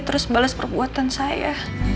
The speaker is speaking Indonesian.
terus balas perbuatan saya